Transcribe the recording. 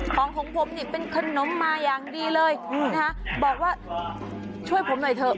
ของของผมนี่เป็นขนมมาอย่างดีเลยนะคะบอกว่าช่วยผมหน่อยเถอะ